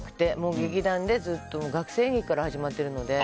劇団でずっと学生演劇から始まってるので。